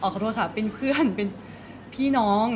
ขอโทษค่ะเป็นเพื่อนเป็นพี่น้อง